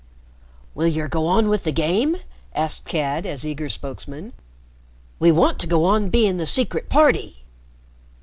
"Will yer go on with the game?" asked Cad, as eager spokesman. "We want to go on being the 'Secret Party.'"